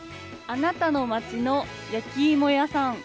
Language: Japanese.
あなたの街の焼きいも屋さん。